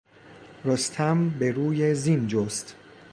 رستم به روی زین جست.